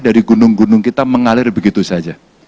dari gunung gunung kita mengalir begitu saja